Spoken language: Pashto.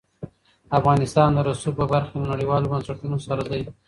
افغانستان د رسوب په برخه کې له نړیوالو بنسټونو سره دی.